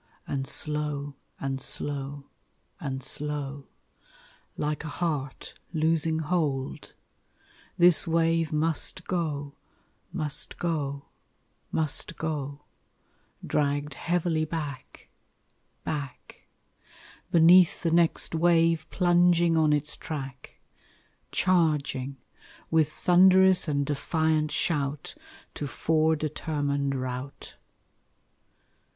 and slow, and slow, and slow, Like a heart losing hold, this wave must go, Must go, must go, dragged heavily back, back, Beneath the next wave plunging on its track, Charging, with thunderous and defiant shout, To fore determined rout.